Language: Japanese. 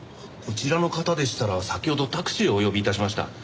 こちらの方でしたら先ほどタクシーをお呼び致しました。